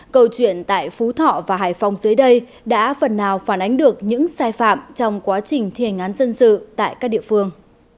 câu chuyện tại phú thọ và hải phòng dưới đây đã phần nào phản ánh được những sai phạm trong quá trình thi hành án dân sự tại các địa phương